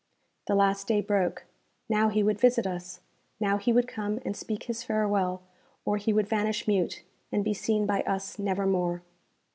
The last day broke. Now would he visit us. Now would he come and speak his farewell, or he would vanish mute, and be seen by us nevermore.